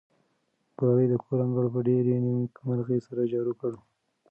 ګلالۍ د کور انګړ په ډېرې نېکمرغۍ سره جارو کړ.